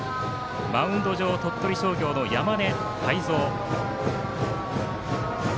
マウンド上は鳥取商業の山根汰三。